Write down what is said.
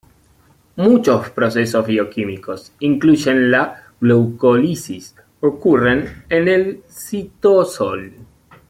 Muchos procesos bioquímicos, incluyendo la glucólisis, ocurren en el citosol.